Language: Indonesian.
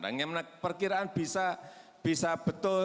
nah perkiraan bisa betul